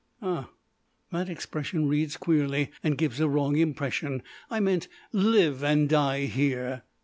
Ah, that expression reads queerly and gives a wrong impression: I meant live and die here.